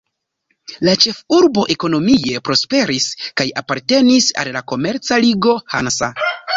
La ĉefurbo ekonomie prosperis kaj apartenis al la komerca ligo Hansa.